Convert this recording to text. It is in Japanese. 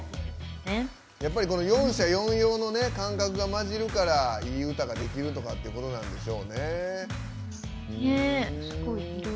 四者四様の感覚が混じるから、いい歌ができるとかっていうことなんでしょうね。